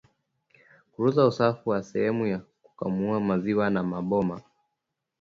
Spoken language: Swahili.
Kutunza usafi wa sehemu ya kukamulia maziwa na maboma